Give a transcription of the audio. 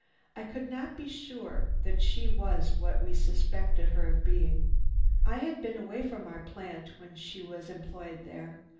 "I could not be sure that she was what we suspected her of being. I had been away from our plant when she was employed there.